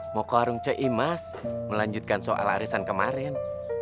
mau ke warung cik imas melanjutkan soal arisan kemarin